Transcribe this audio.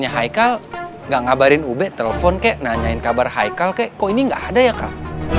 ya haikal gak ngabarin ube telepon kek nanyain kabar haikal kek kok ini enggak ada ya kak